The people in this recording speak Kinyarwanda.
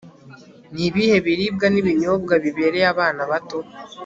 ni ibihe biribwa n'ibinyobwa bibereye abana bato